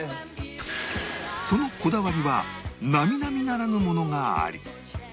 そのこだわりは並々ならぬものがあり